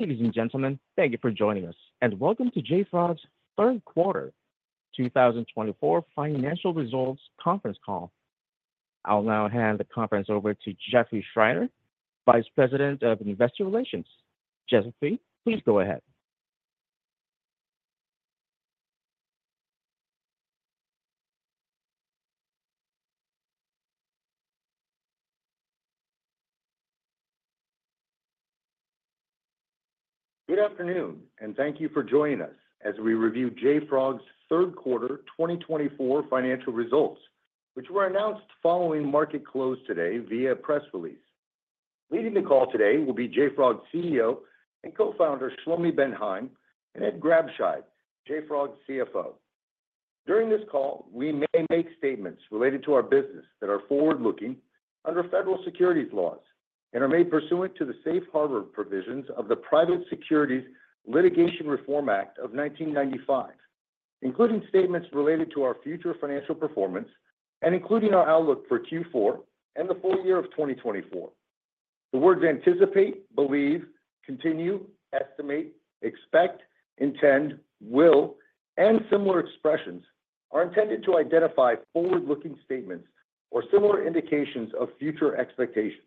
Ladies and gentlemen, thank you for joining us, and welcome to JFrog's third quarter 2024 financial results conference call. I'll now hand the conference over to Jeffrey Schreiner, Vice President of Investor Relations. Jeffrey, please go ahead. Good afternoon, and thank you for joining us as we review JFrog's third quarter 2024 financial results, which were announced following market close today via a press release. Leading the call today will be JFrog CEO and co-founder Shlomi Ben Haim and Ed Grabscheid, JFrog CFO. During this call, we may make statements related to our business that are forward-looking under federal securities laws and are made pursuant to the safe harbor provisions of the Private Securities Litigation Reform Act of 1995, including statements related to our future financial performance and including our outlook for Q4 and the full year of 2024. The words "anticipate," "believe," "continue," "estimate," "expect," "intend," "will," and similar expressions are intended to identify forward-looking statements or similar indications of future expectations.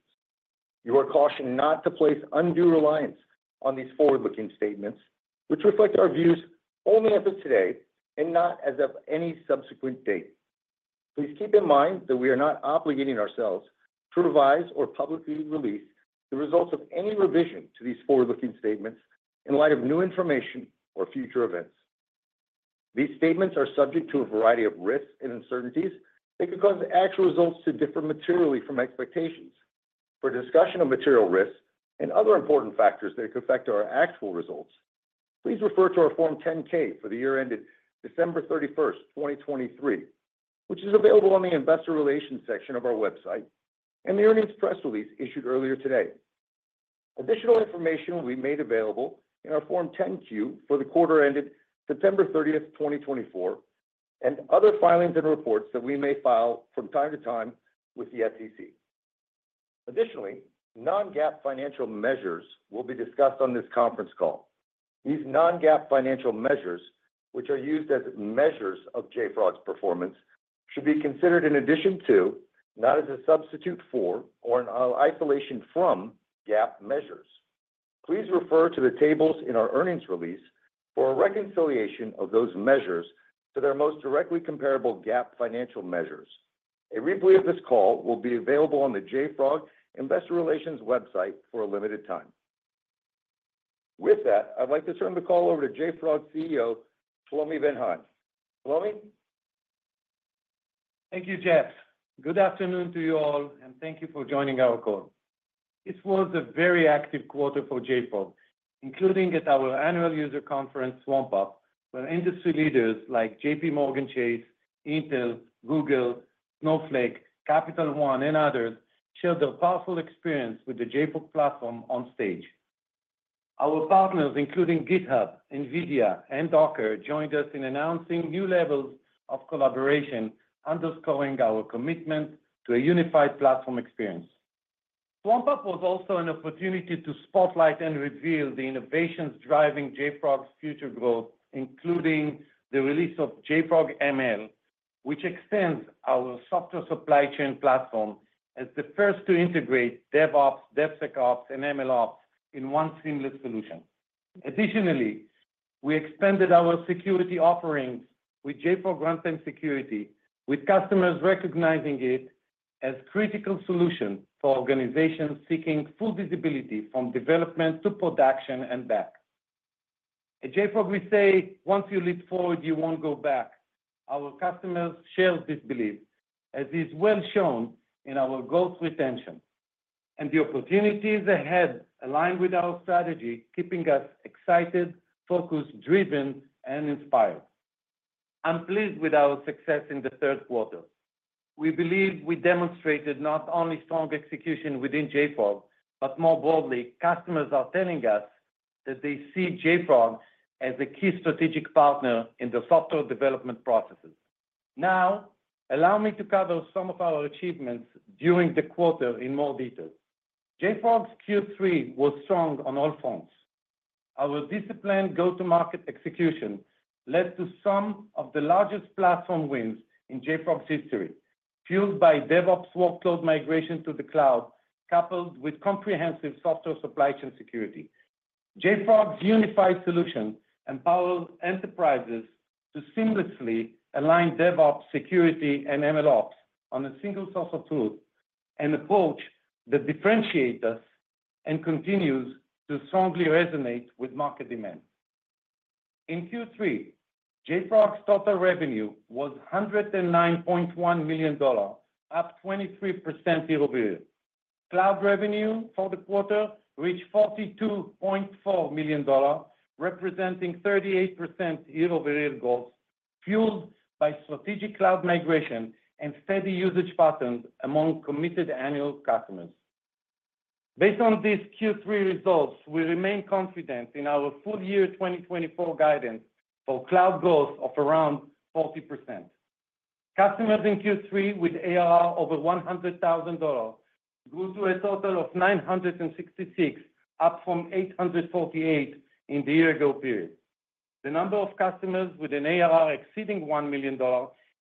You are cautioned not to place undue reliance on these forward-looking statements, which reflect our views only as of today and not as of any subsequent date. Please keep in mind that we are not obligating ourselves to revise or publicly release the results of any revision to these forward-looking statements in light of new information or future events. These statements are subject to a variety of risks and uncertainties that could cause actual results to differ materially from expectations. For discussion of material risks and other important factors that could affect our actual results, please refer to our Form 10-K for the year ended December 31, 2023, which is available on the Investor Relations section of our website and the earnings press release issued earlier today. Additional information will be made available in our Form 10-Q for the quarter ended September 30, 2024, and other filings and reports that we may file from time to time with the SEC. Additionally, non-GAAP financial measures will be discussed on this conference call. These non-GAAP financial measures, which are used as measures of JFrog's performance, should be considered in addition to, not as a substitute for, or in isolation from GAAP measures. Please refer to the tables in our earnings release for a reconciliation of those measures to their most directly comparable GAAP financial measures. A replay of this call will be available on the JFrog Investor Relations website for a limited time. With that, I'd like to turn the call over to JFrog CEO Shlomi Ben Haim. Shlomi? Thank you, Jeff. Good afternoon to you all, and thank you for joining our call. This was a very active quarter for JFrog, including at our annual user conference, SwampUp, where industry leaders like JPMorgan Chase, Intel, Google, Snowflake, Capital One, and others shared their powerful experience with the JFrog platform on stage. Our partners, including GitHub, NVIDIA, and Docker, joined us in announcing new levels of collaboration, underscoring our commitment to a unified platform experience. SwampUp was also an opportunity to spotlight and reveal the innovations driving JFrog's future growth, including the release of JFrog ML, which extends our software supply chain platform as the first to integrate DevOps, DevSecOps, and MLOps in one seamless solution. Additionally, we expanded our security offerings with JFrog Runtime Security, with customers recognizing it as a critical solution for organizations seeking full visibility from development to production and back. At JFrog, we say, "Once you leap forward, you won't go back." Our customers share this belief, as is well shown in our gross retention. And the opportunities ahead align with our strategy, keeping us excited, focused, driven, and inspired. I'm pleased with our success in the third quarter. We believe we demonstrated not only strong execution within JFrog, but more broadly, customers are telling us that they see JFrog as a key strategic partner in the software development processes. Now, allow me to cover some of our achievements during the quarter in more detail. JFrog's Q3 was strong on all fronts. Our disciplined go-to-market execution led to some of the largest platform wins in JFrog's history, fueled by DevOps workload migration to the cloud, coupled with comprehensive software supply chain security. JFrog's unified solution empowers enterprises to seamlessly align DevOps, security, and MLOps on a single source of truth, an approach that differentiates us and continues to strongly resonate with market demand. In Q3, JFrog's total revenue was $109.1 million, up 23% year-over-year. Cloud revenue for the quarter reached $42.4 million, representing 38% year-over-year growth, fueled by strategic cloud migration and steady usage patterns among committed annual customers. Based on these Q3 results, we remain confident in our full year 2024 guidance for cloud growth of around 40%. Customers in Q3 with ARR over $100,000 grew to a total of $966, up from $848 in the year-ago period. The number of customers with an ARR exceeding $1 million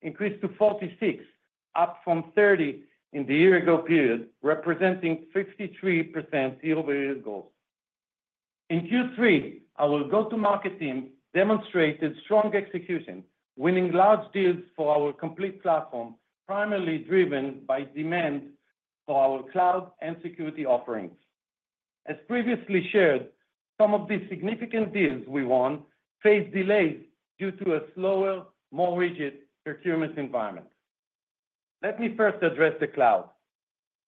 increased to 46 customers, up from 30 customers in the year-ago period, representing 53% year-over-year growth. In Q3, our go-to-market team demonstrated strong execution, winning large deals for our complete platform, primarily driven by demand for our cloud and security offerings. As previously shared, some of these significant deals we won faced delays due to a slower, more rigid procurement environment. Let me first address the cloud.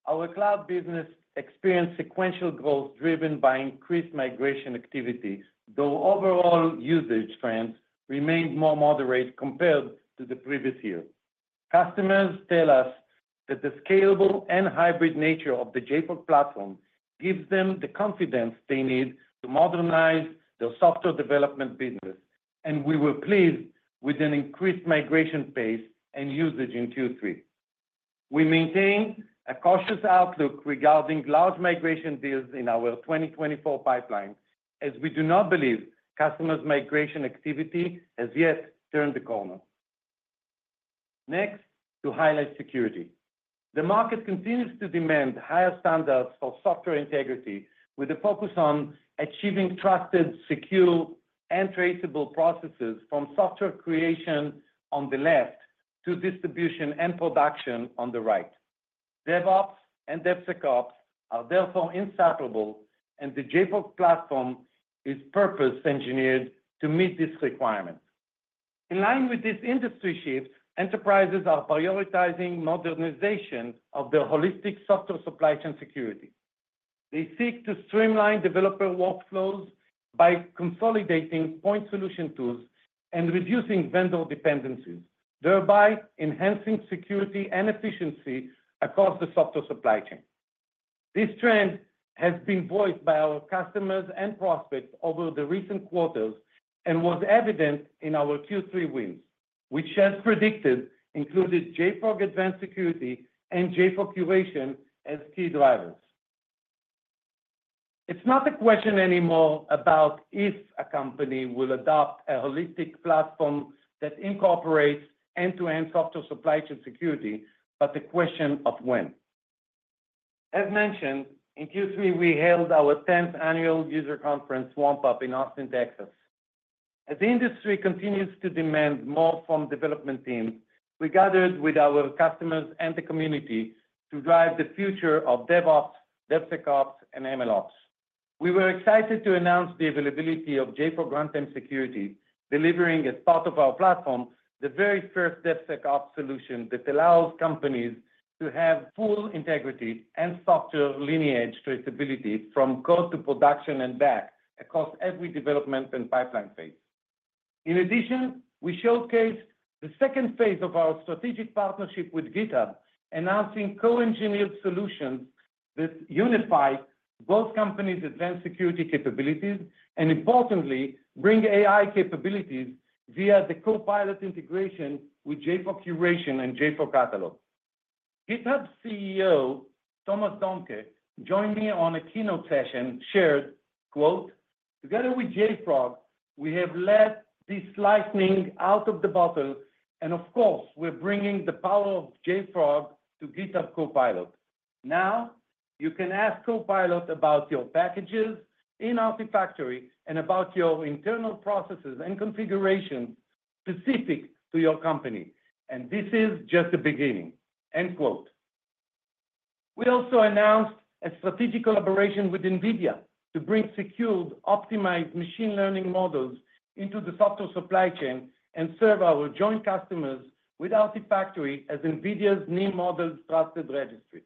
Our cloud business experienced sequential growth driven by increased migration activities, though overall usage trends remained more moderate compared to the previous year. Customers tell us that the scalable and hybrid nature of the JFrog platform gives them the confidence they need to modernize their software development business, and we were pleased with an increased migration pace and usage in Q3. We maintain a cautious outlook regarding large migration deals in our 2024 pipeline, as we do not believe customers' migration activity has yet turned the corner. Next, to highlight security. The market continues to demand higher standards for software integrity, with a focus on achieving trusted, secure, and traceable processes from software creation on the left to distribution and production on the right. DevOps and DevSecOps are therefore inseparable, and the JFrog platform is purpose-engineered to meet this requirement. In line with this industry shift, enterprises are prioritizing modernization of their holistic software supply chain security. They seek to streamline developer workflows by consolidating point solution tools and reducing vendor dependencies, thereby enhancing security and efficiency across the software supply chain. This trend has been voiced by our customers and prospects over the recent quarters and was evident in our Q3 wins, which, as predicted, included JFrog Advanced Security and JFrog Curation as key drivers. It's not a question anymore about if a company will adopt a holistic platform that incorporates end-to-end software supply chain security, but the question of when. As mentioned, in Q3, we held our 10th annual user conference, SwampUp, in Austin, Texas. As the industry continues to demand more from development teams, we gathered with our customers and the community to drive the future of DevOps, DevSecOps, and MLOps. We were excited to announce the availability of JFrog Runtime Security, delivering, as part of our platform, the very first DevSecOps solution that allows companies to have full integrity and software lineage traceability from code to production and back across every development and pipeline phase. In addition, we showcased the second phase of our strategic partnership with GitHub, announcing co-engineered solutions that unify both companies' Advanced Security capabilities and, importantly, bring AI capabilities via the Copilot integration with JFrog Curation and JFrog Catalog. GitHub CEO Thomas Dohmke joined me on a keynote session, shared, "Together with JFrog, we have let the genie out of the bottle, and of course, we're bringing the power of JFrog to GitHub Copilot. Now you can ask Copilot about your packages in Artifactory and about your internal processes and configurations specific to your company, and this is just the beginning." We also announced a strategic collaboration with NVIDIA to bring secured, optimized machine learning models into the software supply chain and serve our joint customers with Artifactory as NVIDIA's new model trusted registry.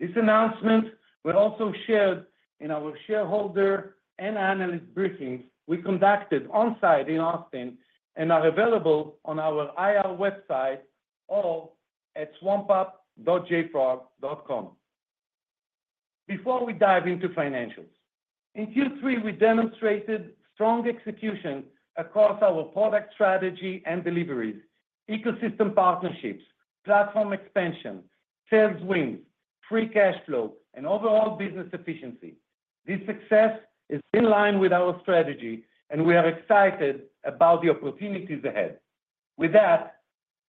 This announcement was also shared in our shareholder and analyst briefings we conducted onsite in Austin and are available on our IR website or at swampup.jfrog.com. Before we dive into financials, in Q3, we demonstrated strong execution across our product strategy and deliveries, ecosystem partnerships, platform expansion, sales wins, Free Cash Flow, and overall business efficiency. This success is in line with our strategy, and we are excited about the opportunities ahead. With that,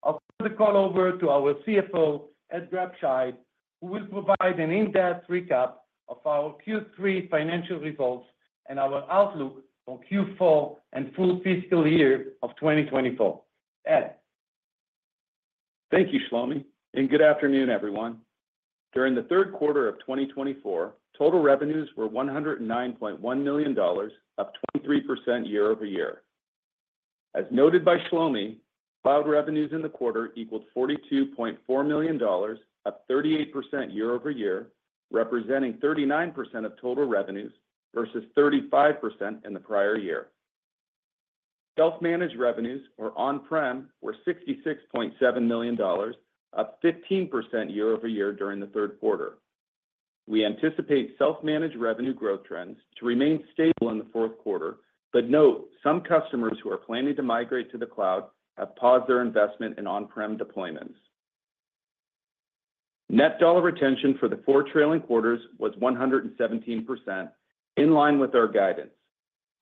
I'll turn the call over to our CFO, Ed Grabscheid, who will provide an in-depth recap of our Q3 financial results and our outlook for Q4 and full fiscal year of 2024. Ed. Thank you, Shlomi, and good afternoon, everyone. During the third quarter of 2024, total revenues were $109.1 million, up 23% year-over-year. As noted by Shlomi, cloud revenues in the quarter equaled $42.4 million, up 38% year-over-year, representing 39% of total revenues versus 35% in the prior year. Self-managed revenues, or on-prem, were $66.7 million, up 15% year-over-year during the third quarter. We anticipate self-managed revenue growth trends to remain stable in the fourth quarter, but note some customers who are planning to migrate to the cloud have paused their investment in on-prem deployments. Net dollar retention for the four trailing quarters was 117%, in line with our guidance.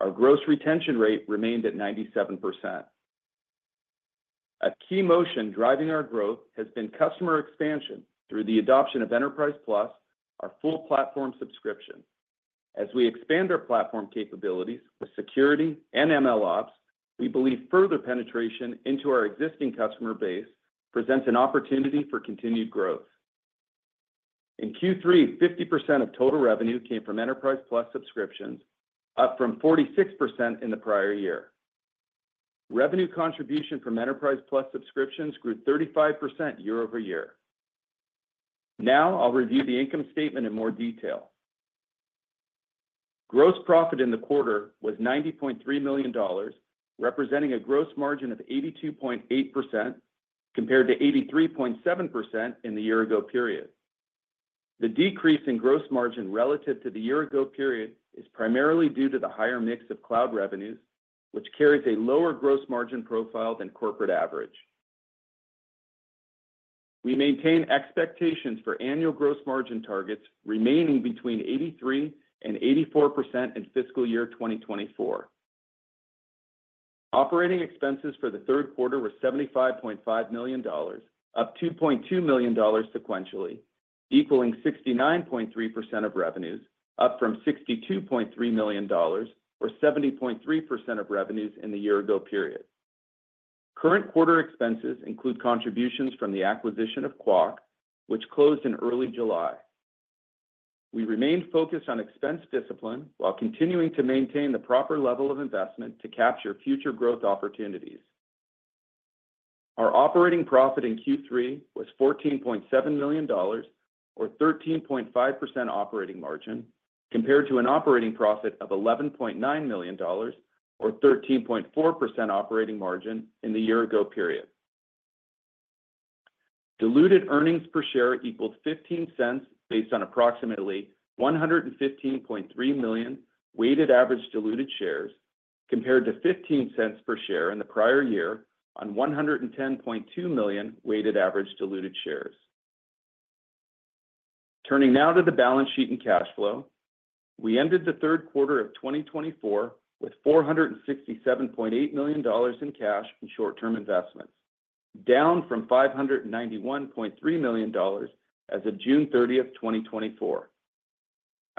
Our gross retention rate remained at 97%. A key motion driving our growth has been customer expansion through the adoption of Enterprise+ our full platform subscription. As we expand our platform capabilities with security and MLOps, we believe further penetration into our existing customer base presents an opportunity for continued growth. In Q3, 50% of total revenue came from Enterprise+ subscriptions, up from 46% in the prior year. Revenue contribution from Enterprise+ subscriptions grew 35% year-over-year. Now I'll review the income statement in more detail. Gross profit in the quarter was $90.3 million, representing a gross margin of 82.8% compared to 83.7% in the year-ago period. The decrease in gross margin relative to the year-ago period is primarily due to the higher mix of cloud revenues, which carries a lower gross margin profile than corporate average. We maintain expectations for annual gross margin targets remaining between 83% and 84% in fiscal year 2024. Operating expenses for the third quarter were $75.5 million, up $2.2 million sequentially, equaling 69.3% of revenues, up from $62.3 million, or 70.3% of revenues in the year-ago period. Current quarter expenses include contributions from the acquisition of Qwak, which closed in early July. We remained focused on expense discipline while continuing to maintain the proper level of investment to capture future growth opportunities. Our operating profit in Q3 was $14.7 million, or 13.5% operating margin, compared to an operating profit of $11.9 million, or 13.4% operating margin in the year-ago period. Diluted earnings per share equaled $0.15 based on approximately 115.3 million weighted average diluted shares, compared to $0.15 per share in the prior year on 110.2 million weighted average diluted shares. Turning now to the balance sheet and cash flow, we ended the third quarter of 2024 with $467.8 million in cash and short-term investments, down from $591.3 million as of June 30, 2024.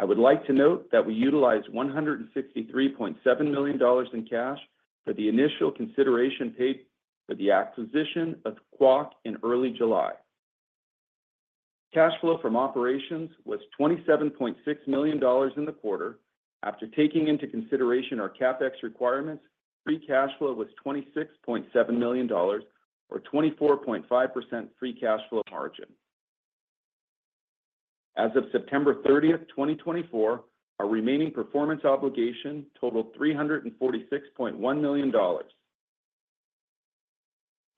I would like to note that we utilized $163.7 million in cash for the initial consideration paid for the acquisition of Qwak in early July. Cash flow from operations was $27.6 million in the quarter. After taking into consideration our CapEx requirements, Free Cash Flow was $26.7 million, or 24.5% Free Cash Flow margin. As of September 30, 2024, our remaining performance obligation totaled $346.1 million.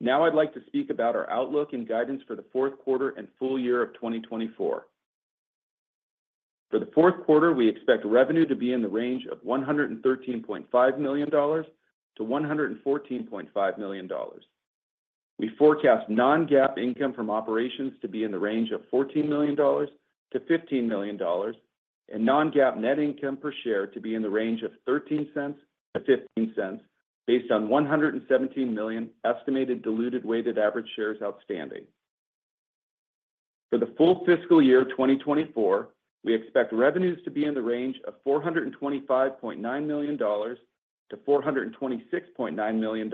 Now I'd like to speak about our outlook and guidance for the fourth quarter and full year of 2024. For the fourth quarter, we expect revenue to be in the range of $113.5 million-$114.5 million. We forecast non-GAAP income from operations to be in the range of $14 million-$15 million, and non-GAAP net income per share to be in the range of $0.13-$0.15, based on 117 million estimated diluted weighted average shares outstanding. For the full fiscal year 2024, we expect revenues to be in the range of $425.9 million-$426.9 million,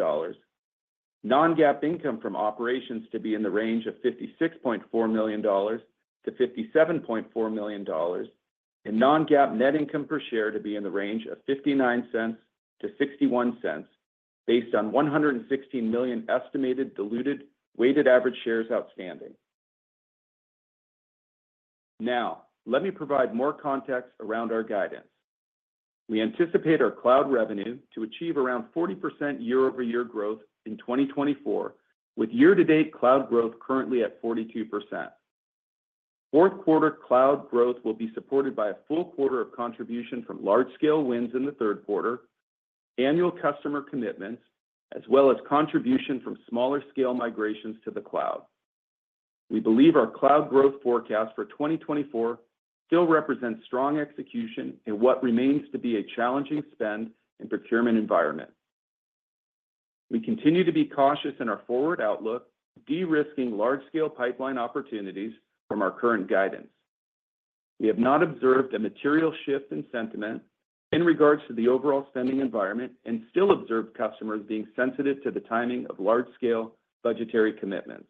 non-GAAP income from operations to be in the range of $56.4 million-$57.4 million, and non-GAAP net income per share to be in the range of $0.59-$0.61, based on 116 million estimated diluted weighted average shares outstanding. Now, let me provide more context around our guidance. We anticipate our cloud revenue to achieve around 40% year-over-year growth in 2024, with year-to-date cloud growth currently at 42%. Fourth quarter cloud growth will be supported by a full quarter of contribution from large-scale wins in the third quarter, annual customer commitments, as well as contribution from smaller-scale migrations to the cloud. We believe our cloud growth forecast for 2024 still represents strong execution in what remains to be a challenging spend and procurement environment. We continue to be cautious in our forward outlook, de-risking large-scale pipeline opportunities from our current guidance. We have not observed a material shift in sentiment in regards to the overall spending environment and still observe customers being sensitive to the timing of large-scale budgetary commitments.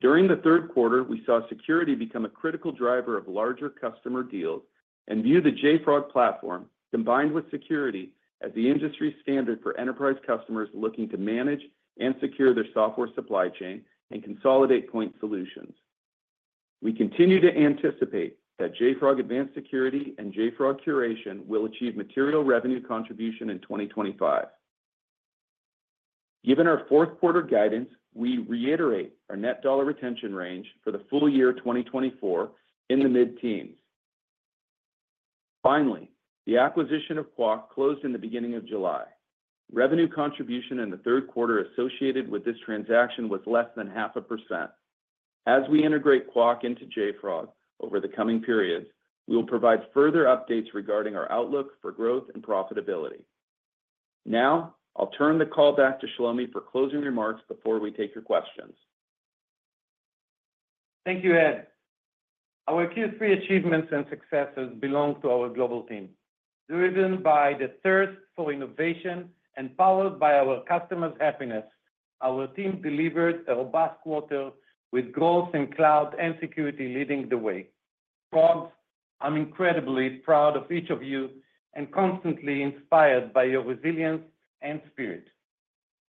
During the third quarter, we saw security become a critical driver of larger customer deals and view the JFrog platform combined with security as the industry standard for enterprise customers looking to manage and secure their software supply chain and consolidate point solutions. We continue to anticipate that JFrog Advanced Security and JFrog Curation will achieve material revenue contribution in 2025. Given our fourth quarter guidance, we reiterate our net dollar retention range for the full year 2024 in the mid-teens. Finally, the acquisition of Qwak closed in the beginning of July. Revenue contribution in the third quarter associated with this transaction was less than 0.5%. As we integrate Qwak into JFrog over the coming periods, we will provide further updates regarding our outlook for growth and profitability. Now I'll turn the call back to Shlomi for closing remarks before we take your questions. Thank you, Ed. Our Q3 achievements and successes belong to our global team. Driven by the thirst for innovation and powered by our customers' happiness, our team delivered a robust quarter with growth in cloud and security leading the way. JFrog, I'm incredibly proud of each of you and constantly inspired by your resilience and spirit.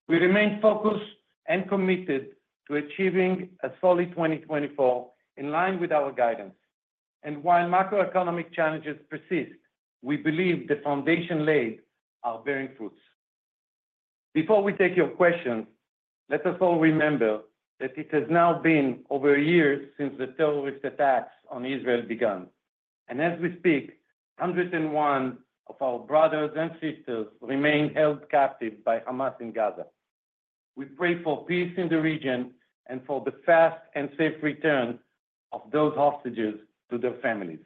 We remain focused and committed to achieving a solid 2024 in line with our guidance. And while macroeconomic challenges persist, we believe the foundation laid are bearing fruits. Before we take your questions, let us all remember that it has now been over a year since the terrorist attacks on Israel began. And as we speak, 101 of our brothers and sisters remain held captive by Hamas in Gaza. We pray for peace in the region and for the fast and safe return of those hostages to their families.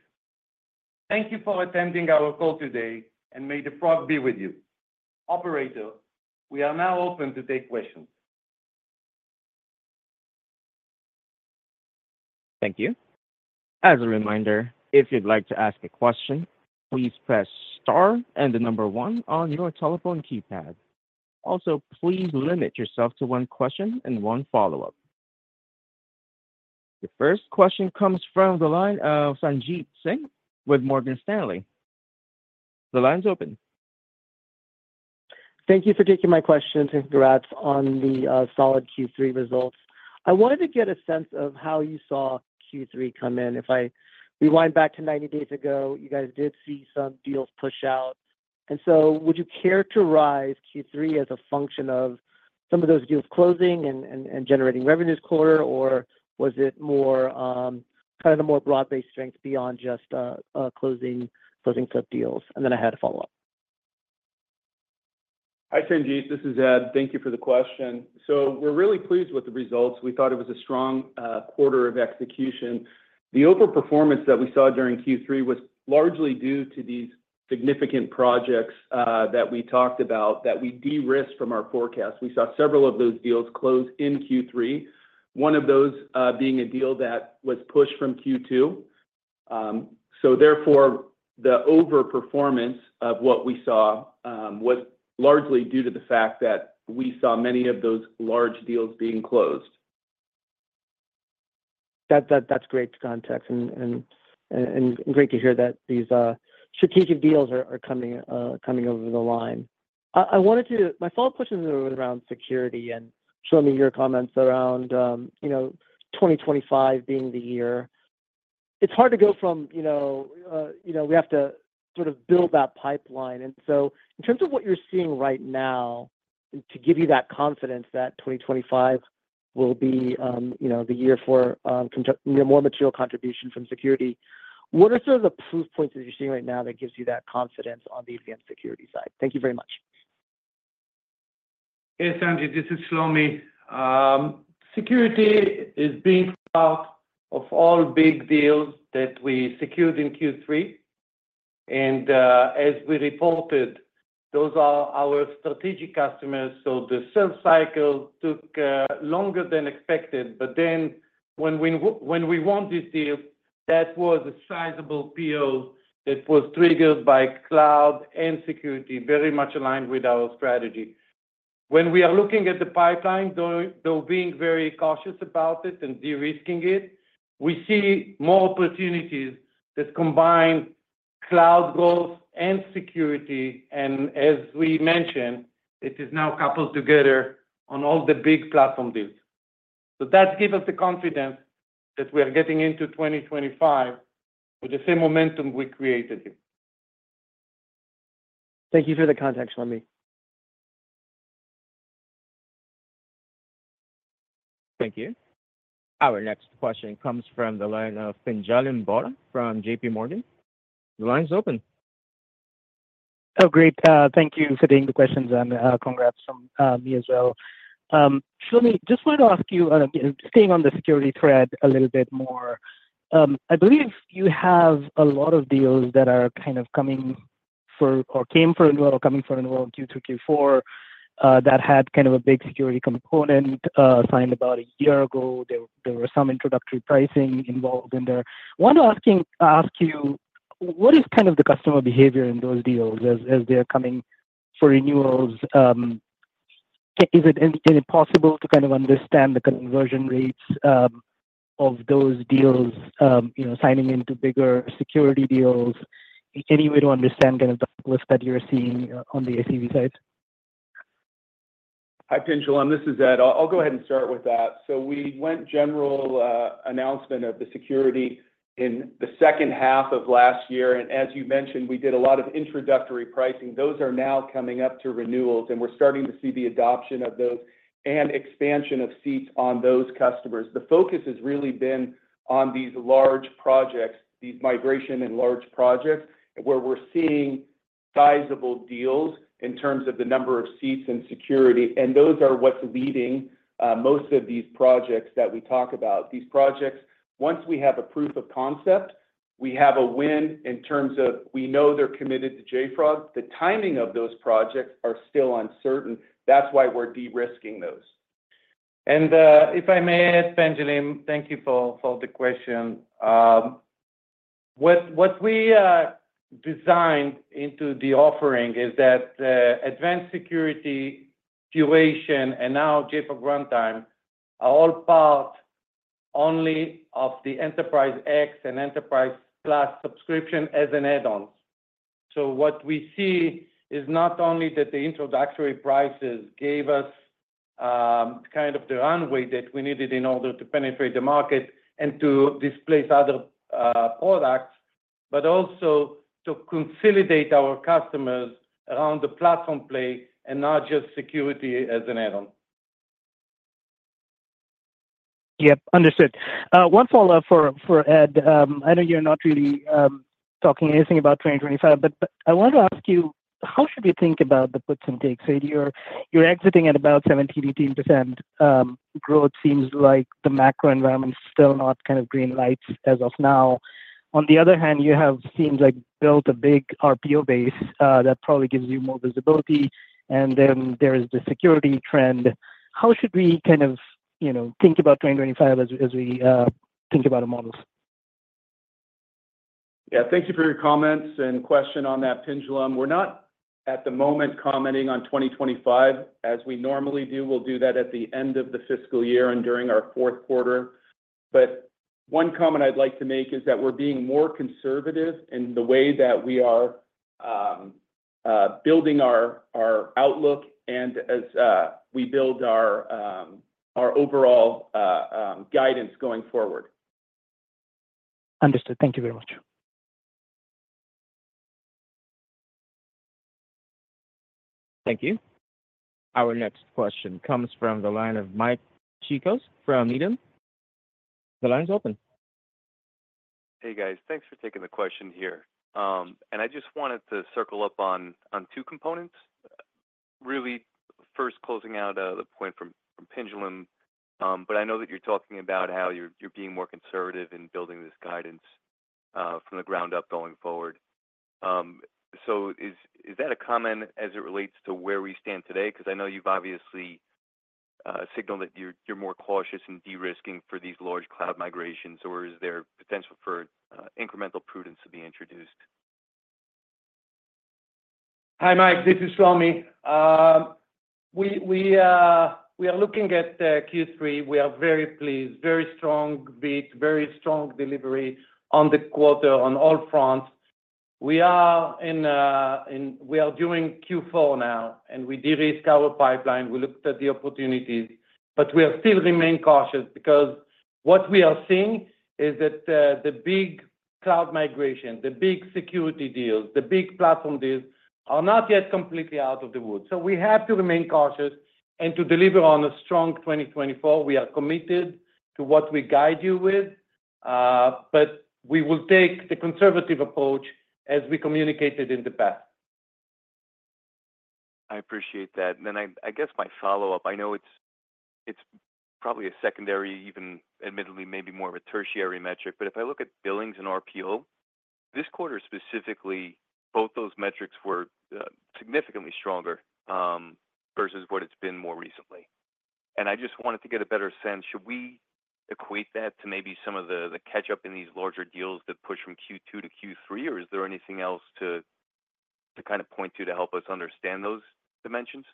Thank you for attending our call today, and may the Frog be with you. Operator, we are now open to take questions. Thank you. As a reminder, if you'd like to ask a question, please press star and the number one on your telephone keypad. Also, please limit yourself to one question and one follow-up. The first question comes from the line of Sanjit Singh with Morgan Stanley. The line's open. Thank you for taking my question and congrats on the solid Q3 results. I wanted to get a sense of how you saw Q3 come in. If I rewind back to 90 days ago, you guys did see some deals push out. And so would you characterize Q3 as a function of some of those deals closing and generating revenues quarter, or was it more kind of the more broad-based strength beyond just closing some deals? And then I had a follow-up. Hi, Sanjit. This is Ed. Thank you for the question. So we're really pleased with the results. We thought it was a strong quarter of execution. The overperformance that we saw during Q3 was largely due to these significant projects that we talked about that we de-risked from our forecast. We saw several of those deals close in Q3, one of those being a deal that was pushed from Q2. So therefore, the overperformance of what we saw was largely due to the fact that we saw many of those large deals being closed. That's great context and great to hear that these strategic deals are coming over the line. My follow-up question was around security and Shlomi, your comments around 2025 being the year. It's hard to go from, you know, we have to sort of build that pipeline. And so in terms of what you're seeing right now, to give you that confidence that 2025 will be the year for more material contribution from security, what are some of the proof points that you're seeing right now that gives you that confidence on the Advanced Security side? Thank you very much. Hey, Sanjit. This is Shlomi. I'm proud of all big deals that we secured in Q3. And as we reported, those are our strategic customers. So the sales cycle took longer than expected. But then when we won this deal, that was a sizable PO that was triggered by cloud and security, very much aligned with our strategy. When we are looking at the pipeline, though being very cautious about it and de-risking it, we see more opportunities that combine cloud growth and security. And as we mentioned, it is now coupled together on all the big platform deals. So that gives us the confidence that we are getting into 2025 with the same momentum we created here. Thank you for the context, Shlomi. Thank you. Our next question comes from the line of Pinjalim Bora from JPMorgan. The line's open. Oh, great. Thank you for taking the questions, and congrats from me as well. Shlomi, just wanted to ask you, staying on the security thread a little bit more. I believe you have a lot of deals that are kind of coming for or came for a new or coming for a new Q3, Q4 that had kind of a big security component signed about a year ago. There were some introductory pricing involved in there. I want to ask you, what is kind of the customer behavior in those deals as they are coming for renewals? Is it possible to kind of understand the conversion rates of those deals signing into bigger security deals? Any way to understand kind of the lift that you're seeing on the ACV side? Hi, Pinjalim. This is Ed. I'll go ahead and start with that. We went general announcement of the security in the second half of last year. As you mentioned, we did a lot of introductory pricing. Those are now coming up to renewals. We're starting to see the adoption of those and expansion of seats on those customers. The focus has really been on these large projects, these migration and large projects, where we're seeing sizable deals in terms of the number of seats and security. Those are what's leading most of these projects that we talk about. These projects, once we have a proof of concept, we have a win in terms of we know they're committed to JFrog. The timing of those projects is still uncertain. That's why we're de-risking those. And if I may, Pinjalim, thank you for the question. What we designed into the offering is that Advanced Security, Curation, and now JFrog Runtime are all part only of the Enterprise X and Enterprise+ subscription as an add-on. So what we see is not only that the introductory prices gave us kind of the runway that we needed in order to penetrate the market and to displace other products, but also to consolidate our customers around the platform play and not just security as an add-on. Yep. Understood. One follow-up for Ed. I know you're not really talking anything about 2025, but I wanted to ask you, how should we think about the puts and takes? So you're exiting at about 17%-18% growth. Seems like the macro environment is still not kind of green lights as of now. On the other hand, you have seemed like built a big RPO base that probably gives you more visibility. And then there is the security trend. How should we kind of think about 2025 as we think about our models? Yeah. Thank you for your comments and question on that, Pinjalim. We're not at the moment commenting on 2025 as we normally do. We'll do that at the end of the fiscal year and during our fourth quarter. But one comment I'd like to make is that we're being more conservative in the way that we are building our outlook and as we build our overall guidance going forward. Understood. Thank you very much. Thank you. Our next question comes from the line of Mike Cikos from Needham. The line's open. Hey, guys. Thanks for taking the question here. And I just wanted to circle up on two components, really first closing out the point from Pinjalim. But I know that you're talking about how you're being more conservative in building this guidance from the ground up going forward. So is that a comment as it relates to where we stand today? Because I know you've obviously signaled that you're more cautious in de-risking for these large cloud migrations, or is there potential for incremental prudence to be introduced? Hi, Mike. This is Shlomi. We are looking at Q3. We are very pleased, very strong beat, very strong delivery on the quarter on all fronts. We are doing Q4 now, and we de-risk our pipeline. We looked at the opportunities, but we still remain cautious because what we are seeing is that the big cloud migration, the big security deals, the big platform deals are not yet completely out of the woods. So we have to remain cautious and to deliver on a strong 2024. We are committed to what we guide you with, but we will take the conservative approach as we communicated in the past. I appreciate that. And then I guess my follow-up, I know it's probably a secondary, even admittedly maybe more of a tertiary metric, but if I look at billings and RPO, this quarter specifically, both those metrics were significantly stronger versus what it's been more recently. And I just wanted to get a better sense. Should we equate that to maybe some of the catch-up in these larger deals that push from Q2 to Q3, or is there anything else to kind of point to to help us understand those dimensions?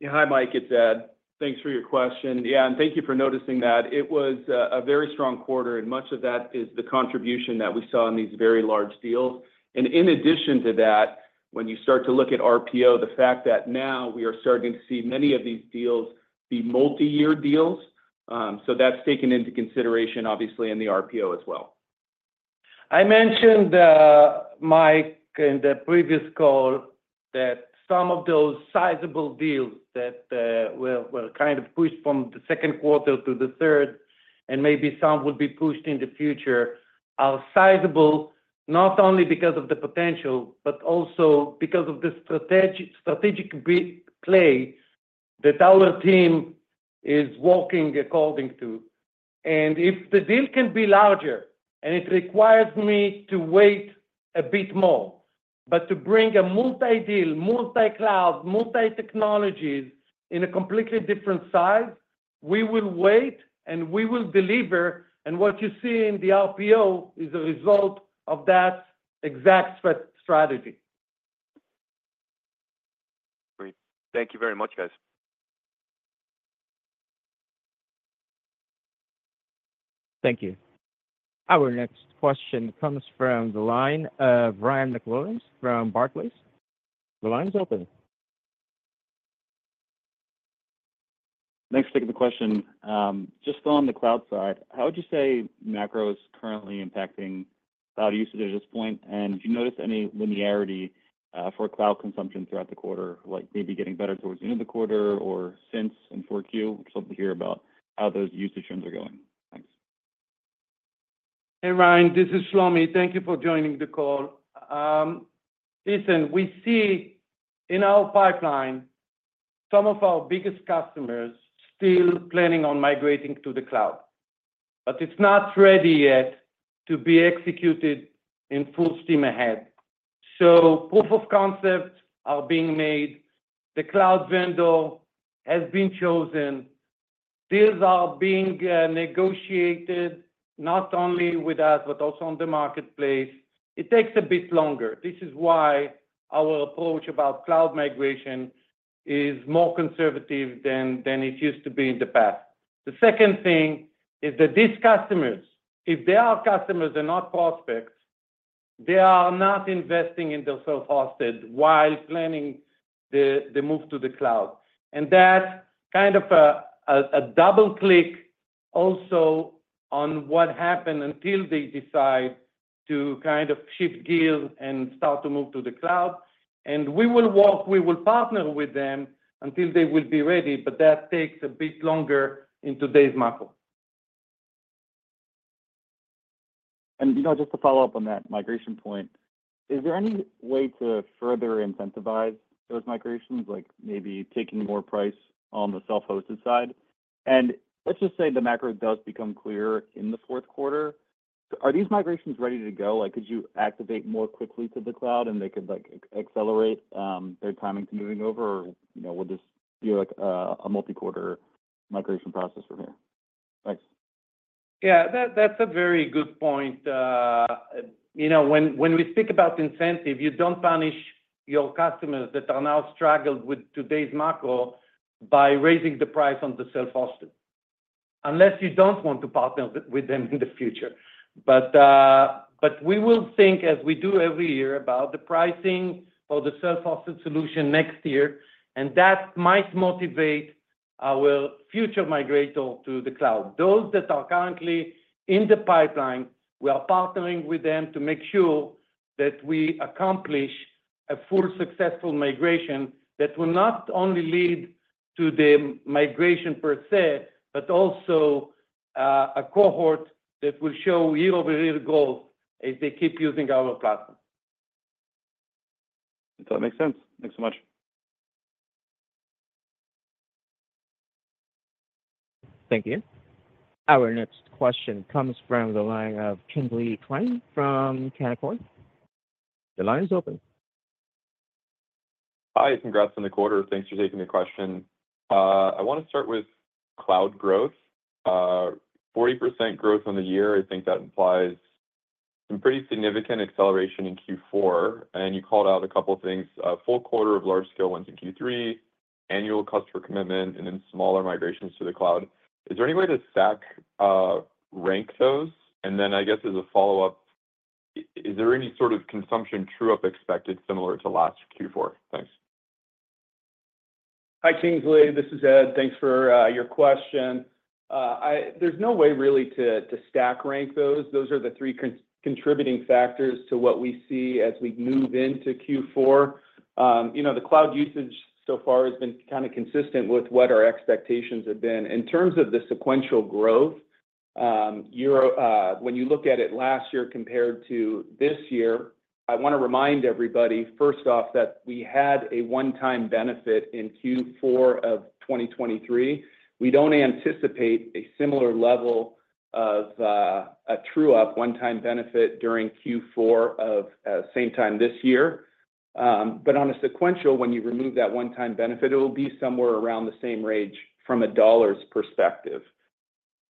Yeah. Hi, Mike. It's Ed. Thanks for your question. Yeah. And thank you for noticing that. It was a very strong quarter, and much of that is the contribution that we saw in these very large deals. And in addition to that, when you start to look at RPO, the fact that now we are starting to see many of these deals be multi-year deals. So that's taken into consideration, obviously, in the RPO as well. I mentioned, Mike, in the previous call that some of those sizable deals that were kind of pushed from the second quarter to the third, and maybe some will be pushed in the future, are sizable not only because of the potential, but also because of the strategic play that our team is working according to, and if the deal can be larger and it requires me to wait a bit more, but to bring a multi-deal, multi-cloud, multi-technologies in a completely different size, we will wait and we will deliver. What you see in the RPO is a result of that exact strategy. Great. Thank you very much, guys. Thank you. Our next question comes from the line of Ryan MacWilliams from Barclays. The line's open. Thanks for taking the question. Just on the cloud side, how would you say macro is currently impacting cloud usage at this point? And do you notice any linearity for cloud consumption throughout the quarter, like maybe getting better towards the end of the quarter or since in 4Q? We'd love to hear about how those usage trends are going. Thanks. Hey, Ryan. This is Shlomi. Thank you for joining the call. Listen, we see in our pipeline, some of our biggest customers still planning on migrating to the cloud, but it's not ready yet to be executed in full steam ahead. So proof of concepts are being made. The cloud vendor has been chosen. Deals are being negotiated not only with us, but also on the marketplace. It takes a bit longer. This is why our approach about cloud migration is more conservative than it used to be in the past. The second thing is that these customers, if they are customers and not prospects, they are not investing in their self-hosted while planning the move to the cloud. And that's kind of a double-click also on what happened until they decide to kind of shift gears and start to move to the cloud. We will work, we will partner with them until they will be ready, but that takes a bit longer in today's macro. Just to follow up on that migration point, is there any way to further incentivize those migrations, like maybe taking more price on the self-hosted side? Let's just say the macro does become clearer in the fourth quarter. Are these migrations ready to go? Could you activate more quickly to the cloud and they could accelerate their timing to moving over, or will this be a multi-quarter migration process from here? Thanks. Yeah. That's a very good point. You know, when we speak about incentive, you don't punish your customers that are now struggling with today's macro by raising the price on the self-hosted, unless you don't want to partner with them in the future. But we will think, as we do every year, about the pricing for the self-hosted solution next year, and that might motivate our future migrations to the cloud. Those that are currently in the pipeline, we are partnering with them to make sure that we accomplish a full successful migration that will not only lead to the migration per se, but also a cohort that will show year-over-year growth if they keep using our platform. That makes sense. Thanks so much. Thank you. Our next question comes from the line of Kingsley Crane from Canaccord. The line's open. Hi. Congrats on the quarter. Thanks for taking the question. I want to start with cloud growth. 40% growth on the year. I think that implies some pretty significant acceleration in Q4. And you called out a couple of things: full quarter of large-scale ones in Q3, annual customer commitment, and then smaller migrations to the cloud. Is there any way to stack rank those? And then I guess as a follow-up, is there any sort of consumption true-up expected similar to last Q4? Thanks. Hi, Kingsley. This is Ed. Thanks for your question. There's no way really to stack rank those. Those are the three contributing factors to what we see as we move into Q4. The cloud usage so far has been kind of consistent with what our expectations have been. In terms of the sequential growth, when you look at it last year compared to this year, I want to remind everybody, first off, that we had a one-time benefit in Q4 of 2023. We don't anticipate a similar level of a true-up, one-time benefit during Q4 of same time this year. But on a sequential, when you remove that one-time benefit, it will be somewhere around the same range from a dollar's perspective.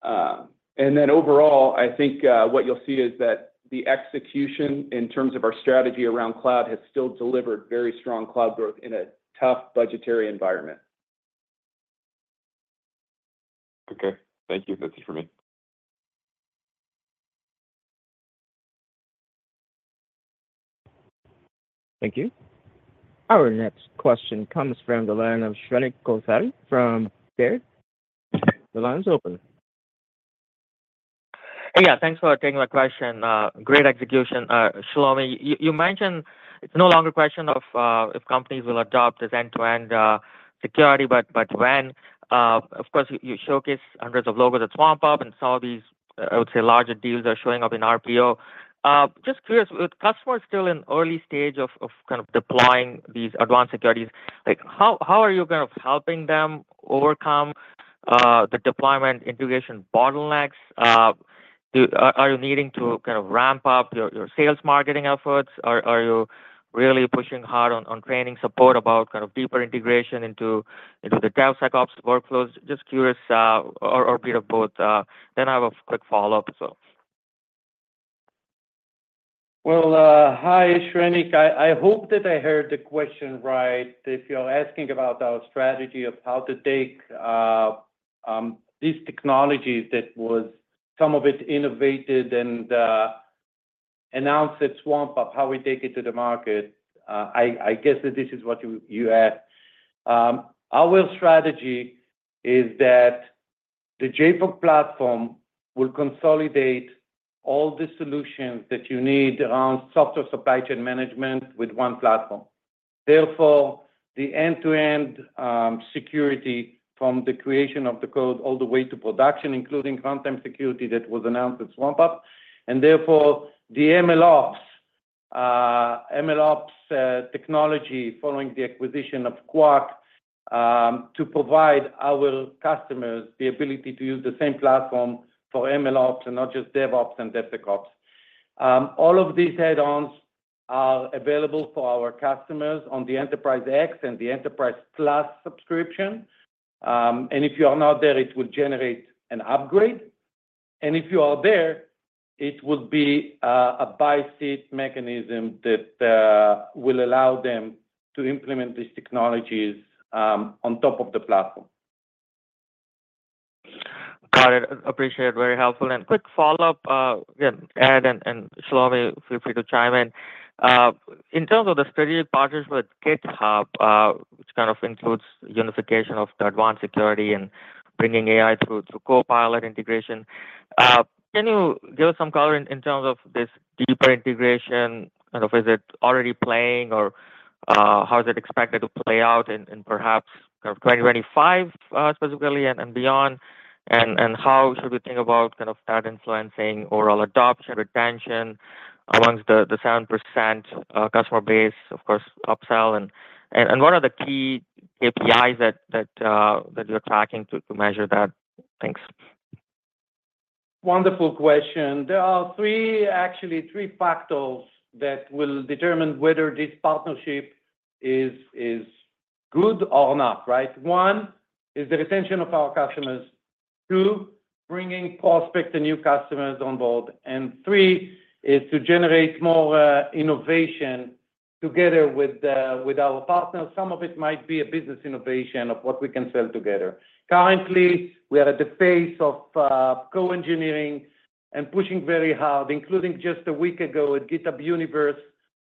Overall, I think what you'll see is that the execution in terms of our strategy around cloud has still delivered very strong cloud growth in a tough budgetary environment. Okay. Thank you. That's it for me. Thank you. Our next question comes from the line of Shrenik Kothari from Baird. The line's open. Hey, yeah. Thanks for taking my question. Great execution. Shlomi, you mentioned it's no longer a question of if companies will adopt this end-to-end security, but when. Of course, you showcase hundreds of logos at SwampUp, and some of these, I would say, larger deals are showing up in RPO. Just curious, with customers still in early stage of kind of deploying these Advanced Security, how are you kind of helping them overcome the deployment integration bottlenecks? Are you needing to kind of ramp up your sales marketing efforts? Are you really pushing hard on training support about kind of deeper integration into the DevSecOps workflows? Just curious, or a bit of both. Then I have a quick follow-up as well. Hi, Shrenik. I hope that I heard the question right. If you're asking about our strategy of how to take these technologies that was some of it innovated and announced at SwampUp, how we take it to the market, I guess that this is what you asked. Our strategy is that the JFrog platform will consolidate all the solutions that you need around software supply chain management with one platform. Therefore, the end-to-end security from the creation of the code all the way to production, including runtime security that was announced at SwampUp. Therefore, the MLOps technology following the acquisition of Qwak to provide our customers the ability to use the same platform for MLOps and not just DevOps and DevSecOps. All of these add-ons are available for our customers on the Enterprise X and the Enterprise+ subscription. And if you are not there, it will generate an upgrade. And if you are there, it will be a buy-seat mechanism that will allow them to implement these technologies on top of the platform. Got it. Appreciate it. Very helpful. And quick follow-up, again, Ed and Shlomi, feel free to chime in. In terms of the strategic partnership with GitHub, which kind of includes unification of the Advanced Security and bringing AI through Copilot integration, can you give us some color in terms of this deeper integration? Kind of is it already playing, or how is it expected to play out in perhaps kind of 2025 specifically and beyond? And how should we think about kind of that influencing overall adoption retention among the 7,000 customer base, of course, upsell? And what are the key KPIs that you're tracking to measure that? Thanks. Wonderful question. There are three, actually three factors that will determine whether this partnership is good or not, right? One is the retention of our customers. Two, bringing prospects and new customers on board. And three is to generate more innovation together with our partners. Some of it might be a business innovation of what we can sell together. Currently, we are at the face of co-engineering and pushing very hard, including just a week ago at GitHub Universe,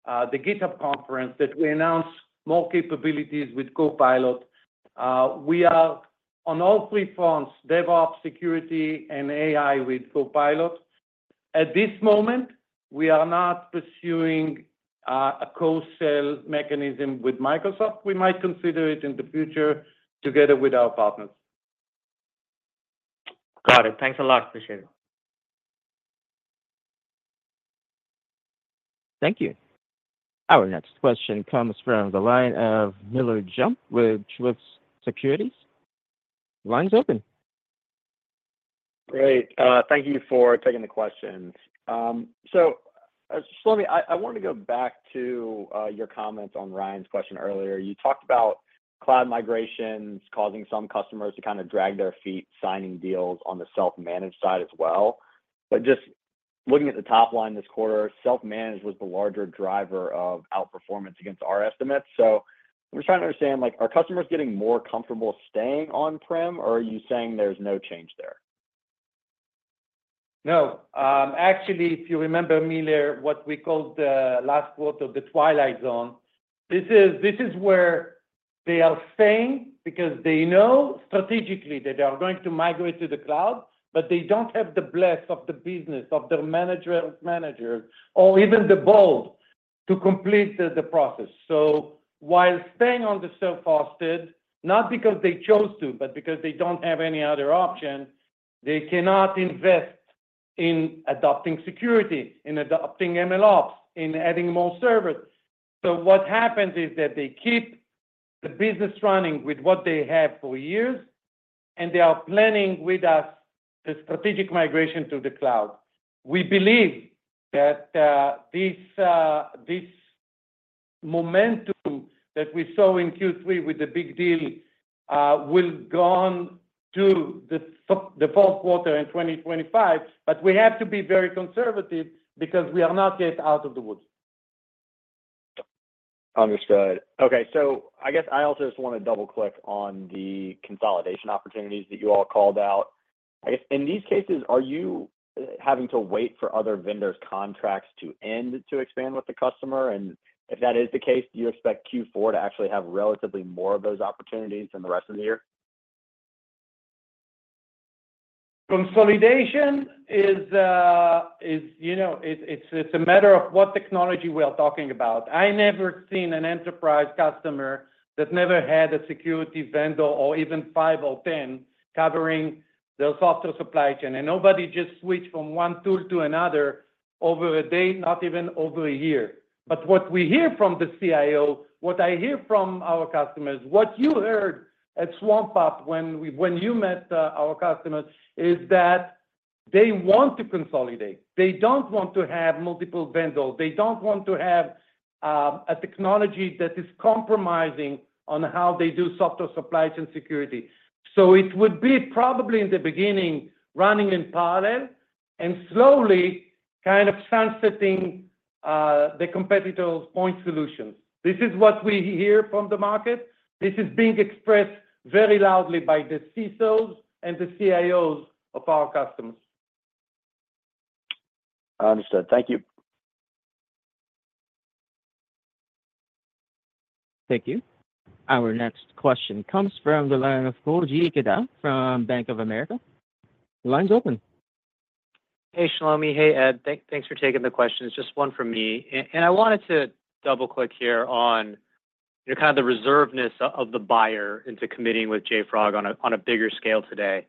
the GitHub conference that we announced more capabilities with Copilot. We are, on all three fronts, DevOps, security, and AI with Copilot. At this moment, we are not pursuing a co-sell mechanism with Microsoft. We might consider it in the future together with our partners. Got it. Thanks a lot. Appreciate it. Thank you. Our next question comes from the line of Miller Jump with Truist Securities. The line's open. Great. Thank you for taking the question. So Shlomi, I wanted to go back to your comments on Ryan's question earlier. You talked about cloud migrations causing some customers to kind of drag their feet signing deals on the self-managed side as well. But just looking at the top line this quarter, self-managed was the larger driver of outperformance against our estimates. So I'm just trying to understand, are customers getting more comfortable staying on-prem, or are you saying there's no change there? No. Actually, if you remember, Miller, what we called the last quarter, the twilight zone, this is where they are staying because they know strategically that they are going to migrate to the cloud, but they don't have the blessing of the business, of their manager or even the board to complete the process. So while staying on the self-hosted, not because they chose to, but because they don't have any other option, they cannot invest in adopting security, in adopting MLOps, in adding more servers. So what happens is that they keep the business running with what they have for years, and they are planning with us the strategic migration to the cloud. We believe that this momentum that we saw in Q3 with the big deal will go on to the fourth quarter in 2025, but we have to be very conservative because we are not yet out of the woods. Understood. Okay. So I guess I also just want to double-click on the consolidation opportunities that you all called out. I guess in these cases, are you having to wait for other vendors' contracts to end to expand with the customer? And if that is the case, do you expect Q4 to actually have relatively more of those opportunities than the rest of the year? Consolidation is a matter of what technology we are talking about. I never seen an enterprise customer that never had a security vendor or even five or 10 covering their software supply chain. Nobody just switched from one tool to another over a day, not even over a year. What we hear from the CIO, what I hear from our customers, what you heard at SwampUp when you met our customers is that they want to consolidate. They don't want to have multiple vendors. They don't want to have a technology that is compromising on how they do software supply chain security. It would be probably in the beginning running in parallel and slowly kind of sunsetting the competitor's point solutions. This is what we hear from the market. This is being expressed very loudly by the CSOs and the CIOs of our customers. Understood. Thank you. Thank you. Our next question comes from the line of Koji Ikeda from Bank of America. The line's open. Hey, Shlomi. Hey, Ed. Thanks for taking the question. It's just one for me. And I wanted to double-click here on kind of the reservedness of the buyer into committing with JFrog on a bigger scale today.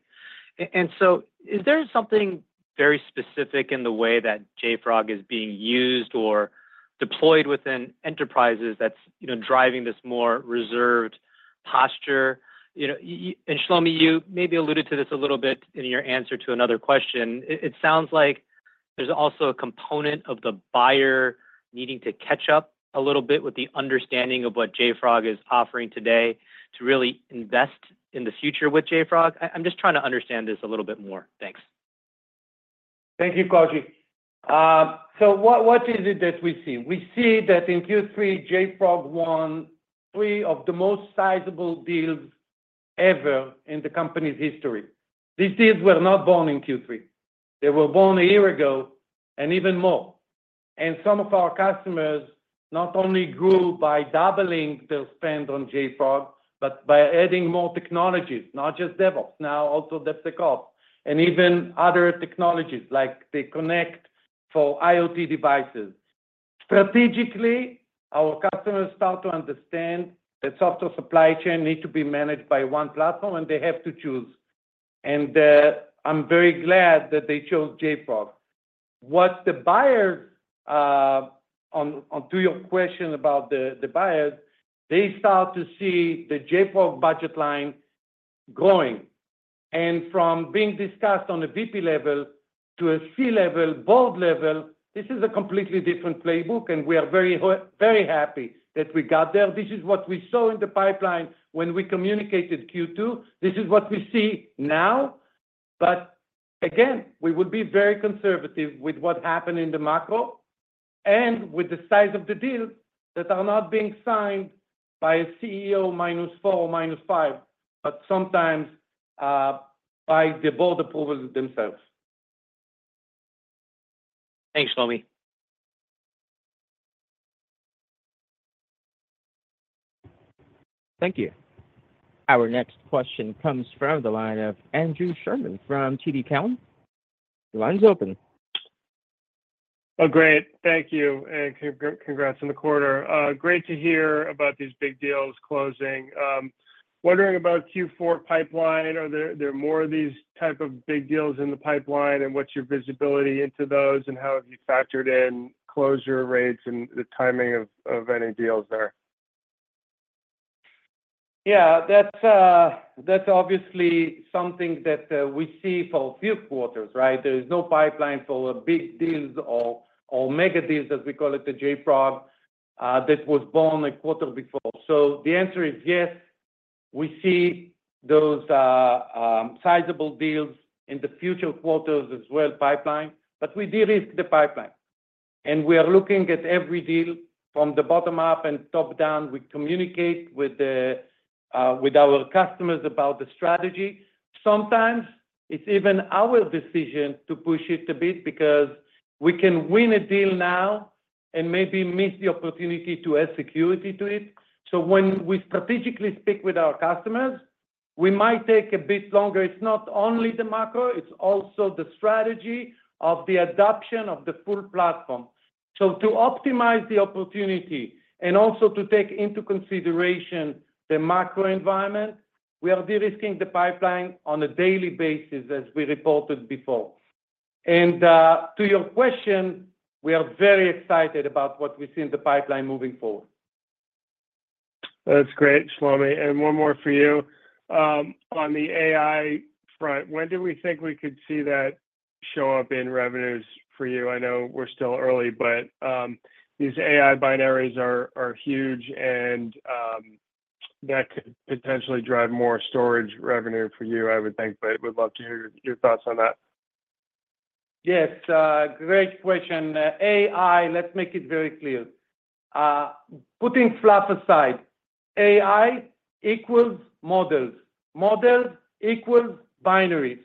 And so is there something very specific in the way that JFrog is being used or deployed within enterprises that's driving this more reserved posture? And Shlomi, you maybe alluded to this a little bit in your answer to another question. It sounds like there's also a component of the buyer needing to catch up a little bit with the understanding of what JFrog is offering today to really invest in the future with JFrog. I'm just trying to understand this a little bit more. Thanks. Thank you, Koji. So what is it that we see? We see that in Q3, JFrog won three of the most sizable deals ever in the company's history. These deals were not born in Q3. They were born a year ago and even more. And some of our customers not only grew by doubling their spend on JFrog, but by adding more technologies, not just DevOps, now also DevSecOps, and even other technologies like the Connect for IoT devices. Strategically, our customers start to understand that software supply chain needs to be managed by one platform, and they have to choose. And I'm very glad that they chose JFrog. What the buyers, to your question about the buyers, they start to see the JFrog budget line growing. And from being discussed on a VP level to a C level, board level, this is a completely different playbook, and we are very, very happy that we got there. This is what we saw in the pipeline when we communicated Q2. This is what we see now. But again, we will be very conservative with what happened in the macro and with the size of the deals that are not being signed by a CEO minus four or minus five, but sometimes by the board approval themselves. Thanks, Shlomi. Thank you. Our next question comes from the line of Andrew Sherman from TD Cowen. The line's open. Oh, great. Thank you. And congrats on the quarter. Great to hear about these big deals closing. Wondering about Q4 pipeline. Are there more of these type of big deals in the pipeline, and what's your visibility into those, and how have you factored in closure rates and the timing of any deals there? Yeah. That's obviously something that we see for a few quarters, right? There is no pipeline for big deals or mega deals, as we call it at JFrog, that was born a quarter before. So the answer is yes. We see those sizable deals in the future quarters as well pipeline, but we de-risk the pipeline. And we are looking at every deal from the bottom up and top down. We communicate with our customers about the strategy. Sometimes it's even our decision to push it a bit because we can win a deal now and maybe miss the opportunity to add security to it. So when we strategically speak with our customers, we might take a bit longer. It's not only the macro. It's also the strategy of the adoption of the full platform. So to optimize the opportunity and also to take into consideration the macro environment, we are de-risking the pipeline on a daily basis, as we reported before. And to your question, we are very excited about what we see in the pipeline moving forward. That's great, Shlomi, and one more for you. On the AI front, when do we think we could see that show up in revenues for you? I know we're still early, but these AI binaries are huge, and that could potentially drive more storage revenue for you, I would think, but we'd love to hear your thoughts on that. Yes. Great question. AI, let's make it very clear. Putting fluff aside, AI equals models. Models equals binaries.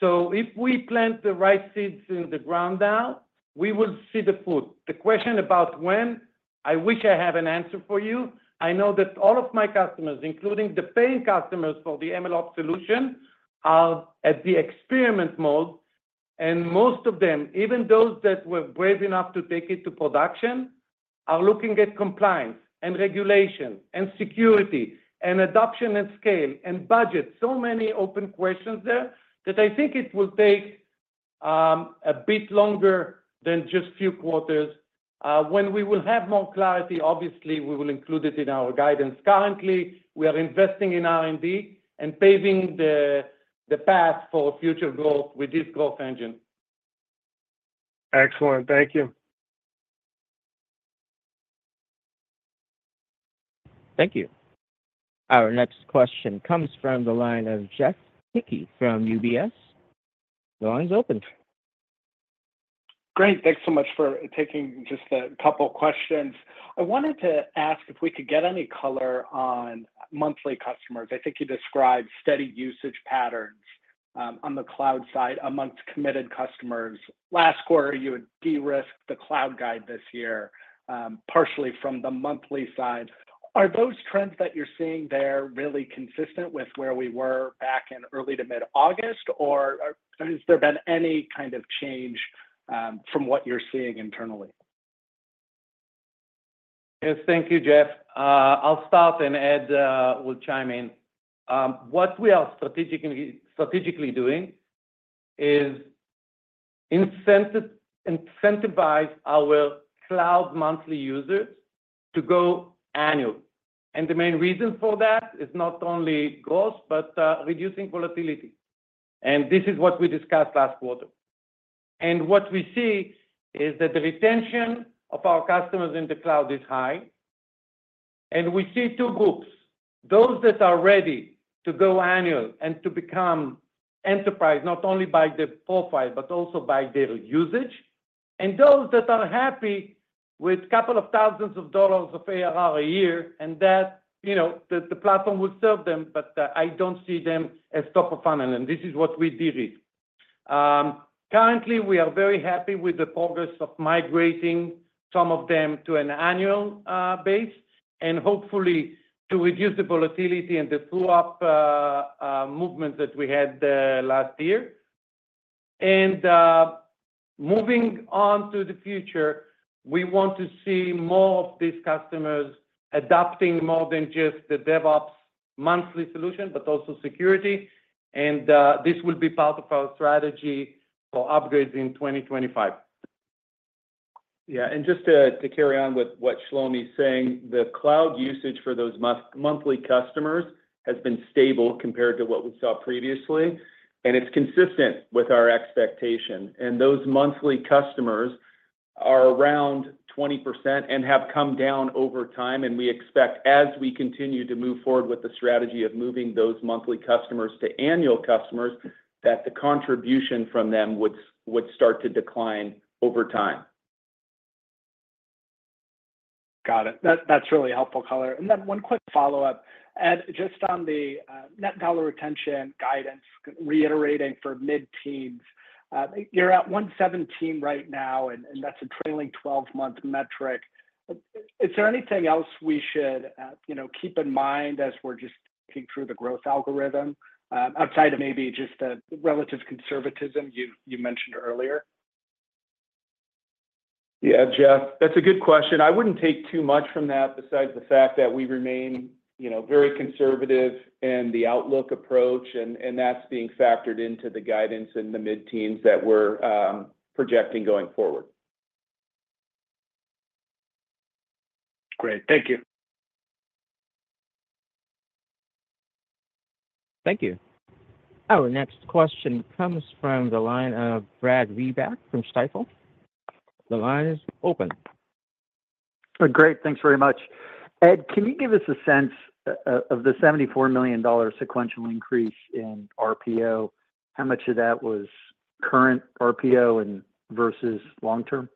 So if we plant the right seeds in the ground now, we will see the fruit. The question about when, I wish I have an answer for you. I know that all of my customers, including the paying customers for the MLOps solution, are at the experiment mode. And most of them, even those that were brave enough to take it to production, are looking at compliance and regulation and security and adoption and scale and budget. So many open questions there that I think it will take a bit longer than just a few quarters. When we will have more clarity, obviously, we will include it in our guidance. Currently, we are investing in R&D and paving the path for future growth with this growth engine. Excellent. Thank you. Thank you. Our next question comes from the line of Jeff Hickey from UBS. The line's open. Great. Thanks so much for taking just a couple of questions. I wanted to ask if we could get any color on monthly customers. I think you described steady usage patterns on the cloud side amongst committed customers. Last quarter, you had de-risked the cloud guide this year, partially from the monthly side. Are those trends that you're seeing there really consistent with where we were back in early to mid-August, or has there been any kind of change from what you're seeing internally? Yes. Thank you, Jeff. I'll stop and Ed will chime in. What we are strategically doing is incentivize our cloud monthly users to go annual. And the main reason for that is not only growth, but reducing volatility. And this is what we discussed last quarter. And what we see is that the retention of our customers in the cloud is high. And we see two groups: those that are ready to go annual and to become enterprise, not only by the profile, but also by their usage, and those that are happy with a couple of thousands of dollars of ARR a year, and that the platform will serve them, but I don't see them as top of funnel. And this is what we de-risk. Currently, we are very happy with the progress of migrating some of them to an annual basis and hopefully to reduce the volatility and the up-and-down movements that we had last year, and moving on to the future, we want to see more of these customers adopting more than just the DevOps monthly solution, but also security. And this will be part of our strategy for upgrades in 2025. Yeah. And just to carry on with what Shlomi's saying, the cloud usage for those monthly customers has been stable compared to what we saw previously. And it's consistent with our expectation. And those monthly customers are around 20% and have come down over time. And we expect as we continue to move forward with the strategy of moving those monthly customers to annual customers, that the contribution from them would start to decline over time. Got it. That's really helpful, color. And then one quick follow-up. Ed, just on the net dollar retention guidance, reiterating for mid-teens, you're at 117% right now, and that's a trailing 12-month metric. Is there anything else we should keep in mind as we're just thinking through the growth algorithm outside of maybe just the relative conservatism you mentioned earlier? Yeah, Jeff, that's a good question. I wouldn't take too much from that besides the fact that we remain very conservative in the outlook approach, and that's being factored into the guidance and the mid-teens that we're projecting going forward. Great. Thank you. Thank you. Our next question comes from the line of Brad Reback from Stifel. The line is open. Great. Thanks very much. Ed, can you give us a sense of the $74 million sequential increase in RPO? How much of that was current RPO versus long-term?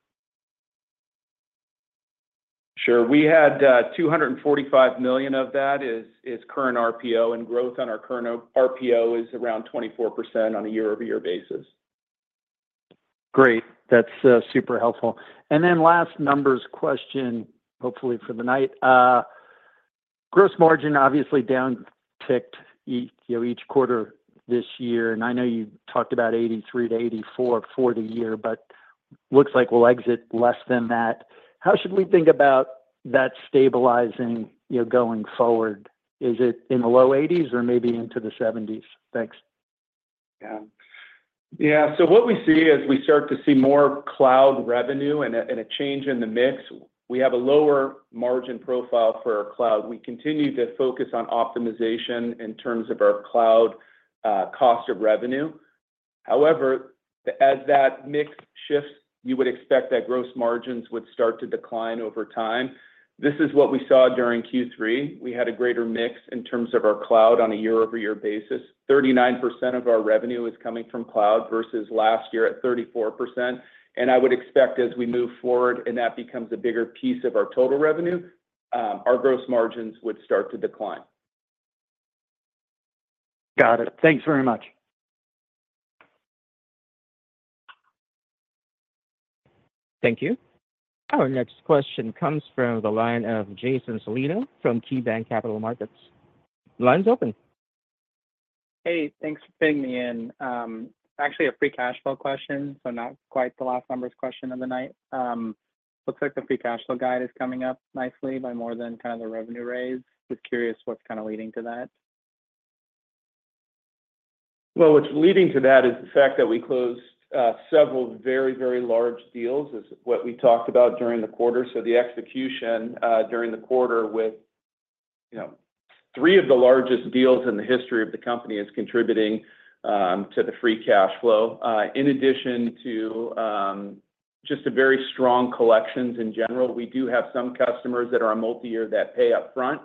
Sure. We had $245 million of that is current RPO, and growth on our current RPO is around 24% on a year-over-year basis. Great. That's super helpful. And then last numbers question, hopefully for the night. Gross margin obviously downticked each quarter this year. And I know you talked about 83%-84% for the year, but looks like we'll exit less than that. How should we think about that stabilizing going forward? Is it in the low 80s% or maybe into the 70s%? Thanks. Yeah. Yeah, so what we see is we start to see more cloud revenue and a change in the mix. We have a lower margin profile for our cloud. We continue to focus on optimization in terms of our cloud cost of revenue. However, as that mix shifts, you would expect that gross margins would start to decline over time. This is what we saw during Q3. We had a greater mix in terms of our cloud on a year-over-year basis. 39% of our revenue is coming from cloud versus last year at 34%, and I would expect as we move forward and that becomes a bigger piece of our total revenue, our gross margins would start to decline. Got it. Thanks very much. Thank you. Our next question comes from the line of Jason Celino from KeyBanc Capital Markets. The line's open. Hey, thanks for pinging me in. Actually, a Free Cash Flow question, so not quite the last number's question of the night. Looks like the Free Cash Flow guide is coming up nicely by more than kind of the revenue raise. Just curious what's kind of leading to that. What's leading to that is the fact that we closed several very, very large deals is what we talked about during the quarter. The execution during the quarter with three of the largest deals in the history of the company is contributing to the Free Cash Flow. In addition to just very strong collections in general, we do have some customers that are on multi-year that pay upfront,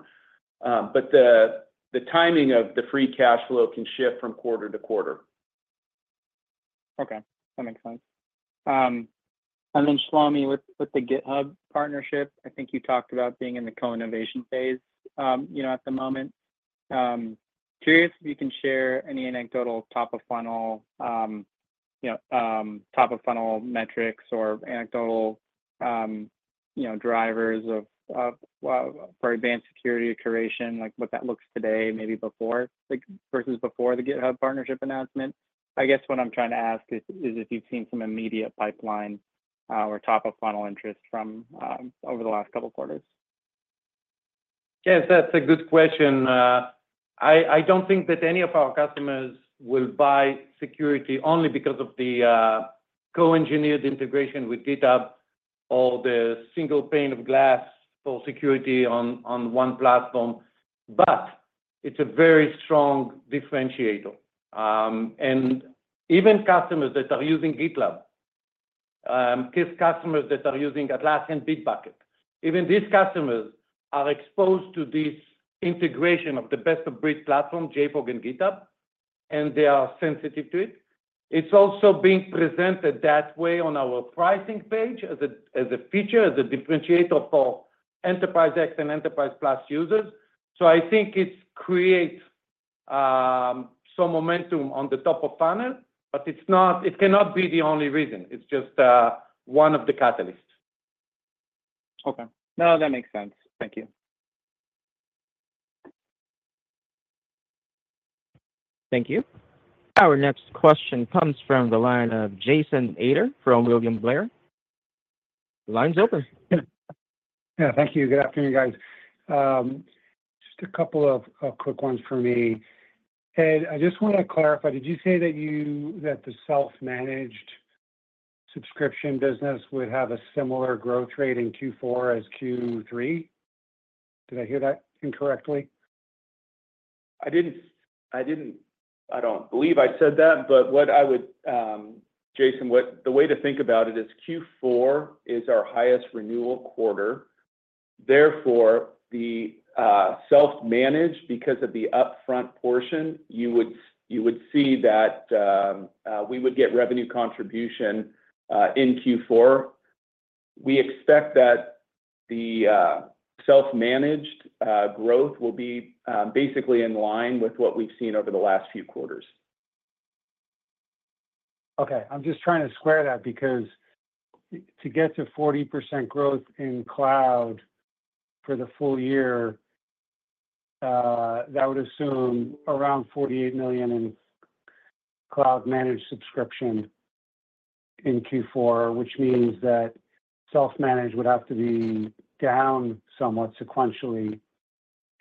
but the timing of the Free Cash Flow can shift from quarter to quarter. Okay. That makes sense. And then Shlomi, with the GitHub partnership, I think you talked about being in the co-innovation phase at the moment. Curious if you can share any anecdotal top-of-funnel metrics or anecdotal drivers for Advanced Security curation, like what that looks today, maybe versus before the GitHub partnership announcement. I guess what I'm trying to ask is if you've seen some immediate pipeline or top-of-funnel interest from over the last couple of quarters. Yes, that's a good question. I don't think that any of our customers will buy security only because of the co-engineered integration with GitHub or the single pane of glass for security on one platform. But it's a very strong differentiator. And even customers that are using GitLab, customers that are using Atlassian Bitbucket, even these customers are exposed to this integration of the best-of-breed platform, JFrog and GitHub, and they are sensitive to it. It's also being presented that way on our pricing page as a feature, as a differentiator for Enterprise X and Enterprise+ users. So I think it creates some momentum on the top-of-funnel, but it cannot be the only reason. It's just one of the catalysts. Okay. No, that makes sense. Thank you. Thank you. Our next question comes from the line of Jason Ader from William Blair. The line's open. Yeah. Thank you. Good afternoon, guys. Just a couple of quick ones for me. Ed, I just want to clarify. Did you say that the self-managed subscription business would have a similar growth rate in Q4 as Q3? Did I hear that incorrectly? I don't believe I said that. But Jason, the way to think about it is Q4 is our highest renewal quarter. Therefore, the self-managed, because of the upfront portion, you would see that we would get revenue contribution in Q4. We expect that the self-managed growth will be basically in line with what we've seen over the last few quarters. Okay. I'm just trying to square that because to get to 40% growth in cloud for the full year, that would assume around $48 million in cloud-managed subscription in Q4, which means that self-managed would have to be down somewhat sequentially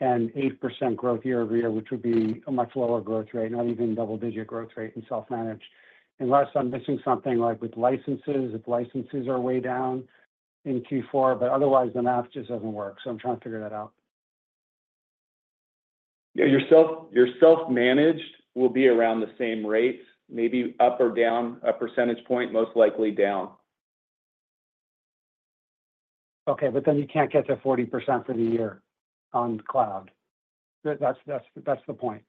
and 8% growth year-over-year, which would be a much lower growth rate, not even double-digit growth rate in self-managed, unless I'm missing something like with licenses, if licenses are way down in Q4, but otherwise, the math just doesn't work, so I'm trying to figure that out. Yeah. Your self-managed will be around the same rates, maybe up or down a percentage point, most likely down. Okay. But then you can't get to 40% for the year on cloud. That's the point.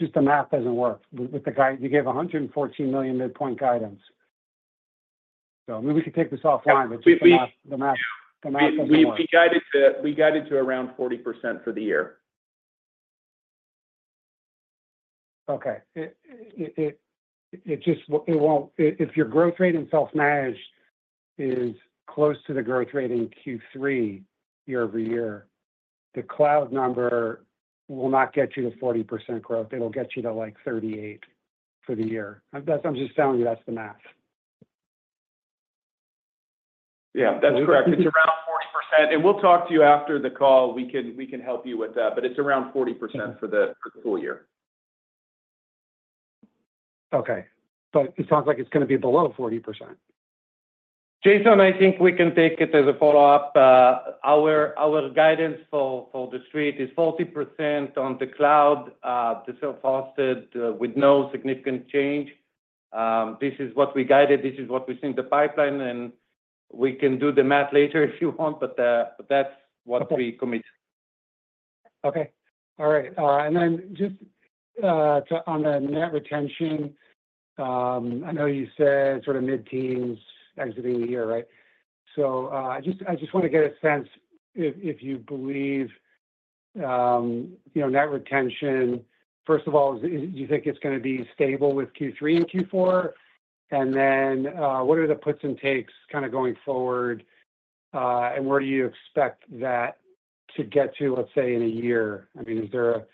Just the math doesn't work with the guide. You gave $114 million midpoint guidance. So maybe we could take this offline, but just the math doesn't work. We guided to around 40% for the year. Okay. If your growth rate in self-managed is close to the growth rate in Q3 year-over-year, the cloud number will not get you to 40% growth. It'll get you to like 38% for the year. I'm just telling you that's the math. Yeah. That's correct. It's around 40%. And we'll talk to you after the call. We can help you with that. But it's around 40% for the full year. Okay, but it sounds like it's going to be below 40%. Jason, I think we can take it as a follow-up. Our guidance for the street is 40% on the cloud, the self-hosted with no significant change. This is what we guided. This is what we see in the pipeline. And we can do the math later if you want, but that's what we commit. Okay. All right. And then just on the net retention, I know you said sort of mid-teens exiting the year, right? So I just want to get a sense if you believe net retention, first of all, do you think it's going to be stable with Q3 and Q4? And then what are the puts and takes kind of going forward? And where do you expect that to get to, let's say, in a year? I mean, is there a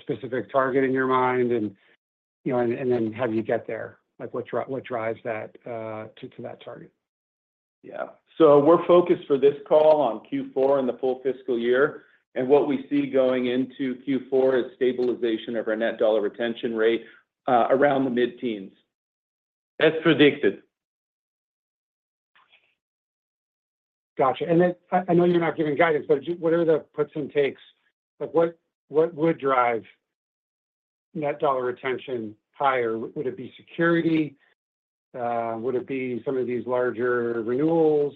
specific target in your mind? And then how do you get there? What drives that to that target? We're focused for this call on Q4 and the full fiscal year. What we see going into Q4 is stabilization of our net dollar retention rate around the mid-teens. That's predicted. Gotcha. And I know you're not giving guidance, but what are the puts and takes? What would drive net dollar retention higher? Would it be security? Would it be some of these larger renewals?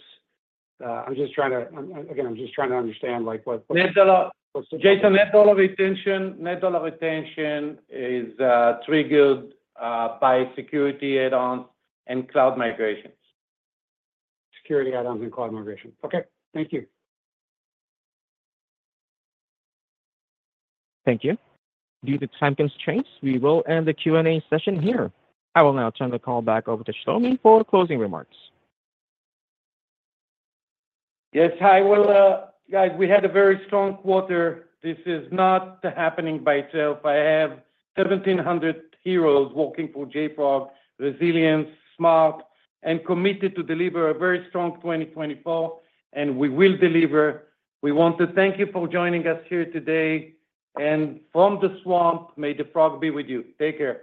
I'm just trying to, again, I'm just trying to understand what. Net dollar retention. Jason, net dollar retention is triggered by security add-ons and cloud migrations. Security add-ons and cloud migration. Okay. Thank you. Thank you. Due to time constraints, we will end the Q&A session here. I will now turn the call back over to Shlomi for closing remarks. Yes. Hi, well. Guys, we had a very strong quarter. This is not happening by itself. I have 1,700 heroes working for JFrog, resilient, smart, and committed to deliver a very strong 2024. And we will deliver. We want to thank you for joining us here today. And from the Swamp, may the frog be with you. Take care.